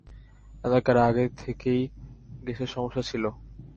এলাকায় আগে থেকেই গ্যাসের সমস্যা ছিল।